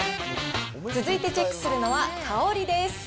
続いてチェックするのは、香りです。